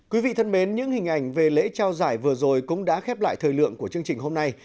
quý vị thân mến những hình ảnh về lễ trao giải vừa rồi cũng đã khép lại thời lượng của chương trình hôm nay